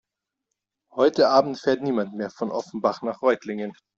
Heute Abend fährt niemand mehr von Offenbach nach Reutlingen